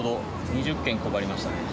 ２０件配りましたね。